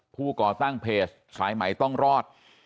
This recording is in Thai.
ก่อตั้งเพจสายใหม่ต้องรอด